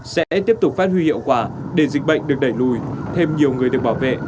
sẽ tiếp tục phát huy hiệu quả để dịch bệnh được đẩy lùi thêm nhiều người được bảo vệ